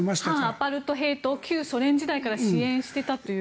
反アパルトヘイトを旧ソ連時代から支援していたという。